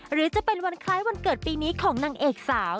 หรือจะเป็นวันคล้ายวันเกิดปีนี้ของนางเอกสาว